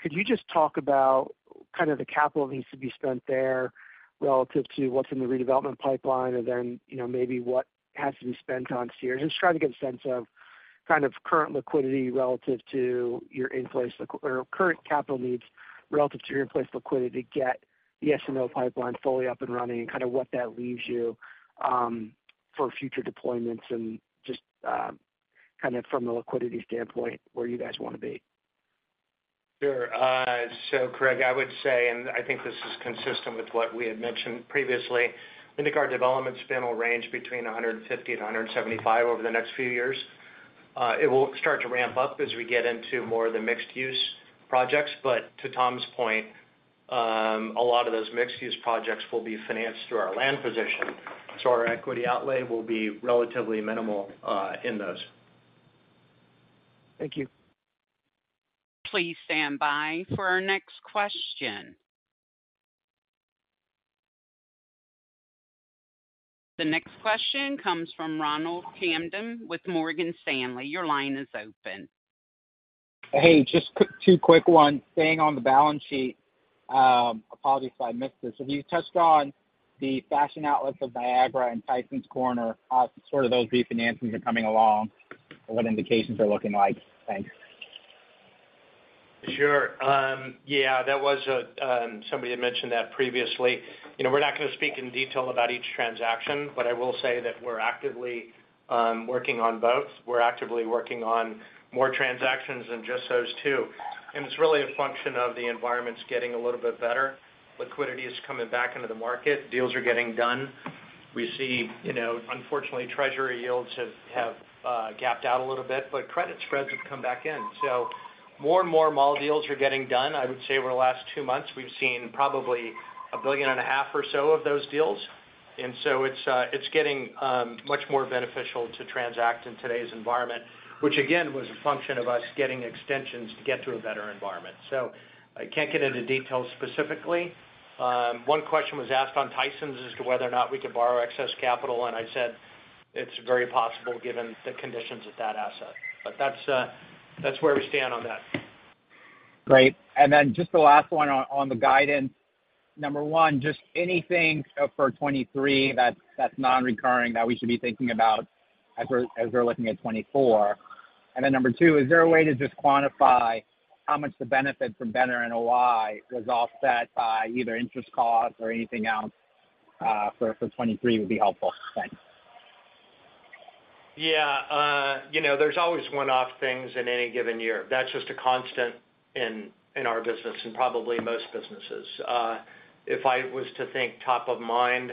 Speaker 16: could you just talk about kind of the capital that needs to be spent there relative to what's in the redevelopment pipeline, and then, you know, maybe what has to be spent on Sears? Just trying to get a sense of kind of current liquidity relative to your in-place or current capital needs relative to your in-place liquidity to get the SNO pipeline fully up and running and kind of what that leaves you, for future deployments and just, kind of from a liquidity standpoint, where you guys want to be?
Speaker 4: Sure. Craig, I would say, and I think this is consistent with what we had mentioned previously, I think our development spend will range between $150 million and $175 million over the next few years. It will start to ramp up as we get into more of the mixed-use projects. To Tom's point, a lot of those mixed-use projects will be financed through our land position, so our equity outlay will be relatively minimal in those.
Speaker 16: Thank you.
Speaker 1: Please stand by for our next question. The next question comes from Ronald Kamdem with Morgan Stanley. Your line is open.
Speaker 17: Hey, just quick, 2 quick ones. Staying on the balance sheet, apologies if I missed this. Have you touched on the Fashion Outlets of Niagara and Tysons Corner, how sort of those refinancings are coming along and what indications are looking like? Thanks.
Speaker 4: Sure. Yeah, that was somebody had mentioned that previously. You know, we're not going to speak in detail about each transaction, but I will say that we're actively working on both. We're actively working on more transactions than just those two, it's really a function of the environments getting a little bit better. Liquidity is coming back into the market. Deals are getting done. We see, you know, unfortunately, treasury yields have, have gapped out a little bit, credit spreads have come back in. More and more mall deals are getting done. I would say over the last two months, we've seen probably $1.5 billion or so of those deals. It's getting much more beneficial to transact in today's environment, which again, was a function of us getting extensions to get to a better environment. I can't get into details specifically. One question was asked on Tysons as to whether or not we could borrow excess capital, and I said it's very possible given the conditions at that asset. That's where we stand on that.
Speaker 17: Great. Just the last one on the guidance. Number one, just anything for 2023 that's non-recurring, that we should be thinking about as we're, as we're looking at 2024. Number two, is there a way to just quantify how much the benefit from better NOI was offset by either interest costs or anything else, for 2023 would be helpful. Thanks.
Speaker 4: Yeah, you know, there's always one-off things in any given year. That's just a constant, in our business and probably most businesses. If I was to think top of mind,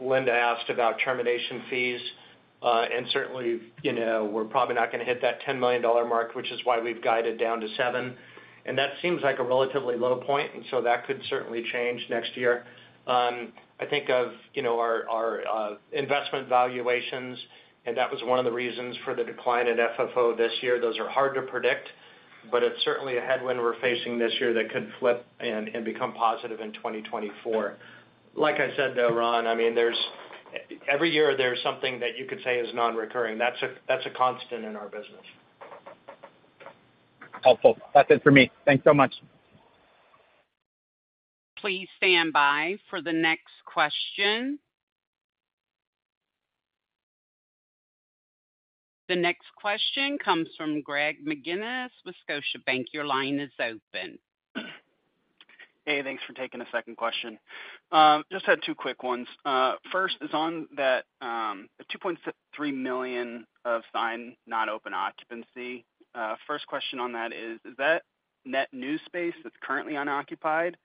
Speaker 4: Linda asked about termination fees. Certainly, you know, we're probably not gonna hit that $10 million mark, which is why we've guided down to $7 million, and that seems like a relatively low point, and so that could certainly change next year. I think of, you know our investment valuations, that was one of the reasons for the decline in FFO this year. Those are hard to predict, it's certainly a headwind we're facing this year that could flip and become positive in 2024. Like I said, though, Ron, I mean, every year, there's something that you could say is nonrecurring. That's a constant in our business.
Speaker 17: Helpful. That's it for me. Thanks so much.
Speaker 1: Please stand by for the next question. The next question comes from Greg McGinnis with Scotiabank. Your line is open.
Speaker 18: Hey, thanks for taking a second question. Just had two quick ones. First is on that, the $2.3 million of signed, not open occupancy. First question on that is, is that net new space that's currently unoccupied?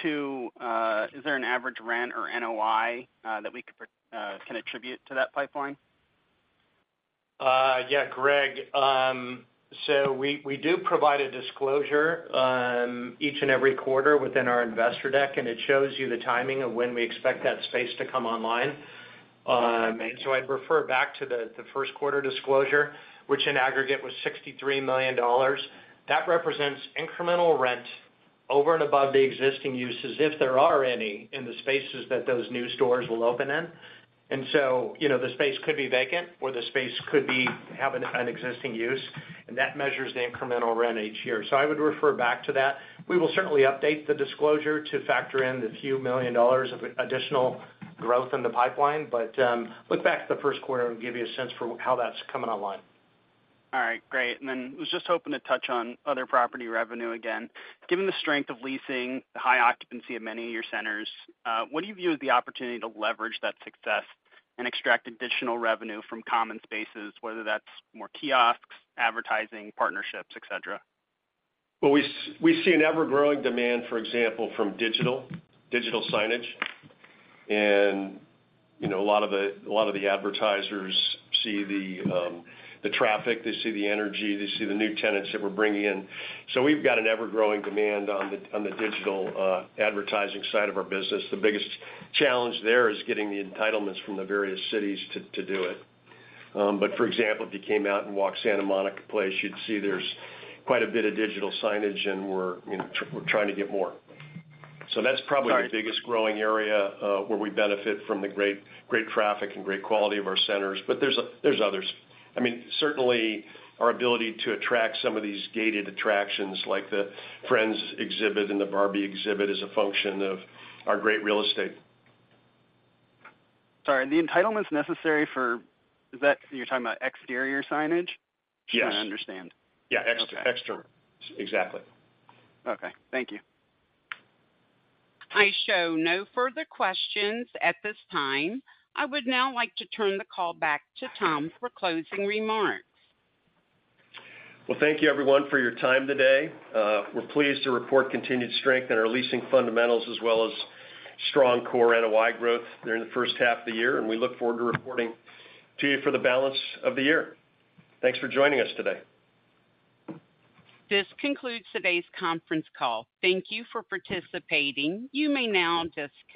Speaker 18: Two, is there an average rent or NOI that we can attribute to that pipeline?
Speaker 4: Yeah, Greg, we, we do provide a disclosure each and every quarter within our investor deck, and it shows you the timing of when we expect that space to come online. I'd refer back to the first quarter disclosure, which in aggregate was $63 million. That represents incremental rent over and above the existing uses, if there are any, in the spaces that those new stores will open in. You know, the space could be vacant, or the space could be having an existing use, and that measures the incremental rent each year. I would refer back to that. We will certainly update the disclosure to factor in the few million dollars of additional growth in the pipeline, but look back to the first quarter and give you a sense for how that's coming online.
Speaker 18: All right, great. Was just hoping to touch on other property revenue again. Given the strength of leasing, the high occupancy of many of your centers, what do you view as the opportunity to leverage that success and extract additional revenue from common spaces, whether that's more kiosks, advertising, partnerships, et cetera?
Speaker 4: Well, we see an ever-growing demand, for example, from digital, digital signage. You know, a lot of the, lot of the advertisers see the traffic, they see the energy, they see the new tenants that we're bringing in. We've got an ever-growing demand on the, on the digital advertising side of our business. The biggest challenge there is getting the entitlements from the various cities to, to do it. For example, if you came out and walked Santa Monica Place, you'd see there's quite a bit of digital signage, and we're, you know, we're trying to get more. That's probably-
Speaker 18: Sorry.
Speaker 4: the biggest growing area, where we benefit from the great, great traffic and great quality of our centers, but there's, there's others. I mean, certainly, our ability to attract some of these gated attractions, like the Friends exhibit and the Barbie exhibit, is a function of our great real estate.
Speaker 18: Sorry, the entitlements necessary for... Is that, you're talking about exterior signage?
Speaker 4: Yes.
Speaker 18: Trying to understand.
Speaker 4: Yeah, external.
Speaker 18: Okay.
Speaker 4: Exactly.
Speaker 18: Okay. Thank you.
Speaker 1: I show no further questions at this time. I would now like to turn the call back to Tom for closing remarks.
Speaker 4: Well, thank you, everyone, for your time today. We're pleased to report continued strength in our leasing fundamentals, as well as strong core NOI growth during the first half of the year, and we look forward to reporting to you for the balance of the year. Thanks for joining us today.
Speaker 1: This concludes today's conference call. Thank you for participating. You may now disconnect.